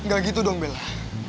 gak gitu dong bella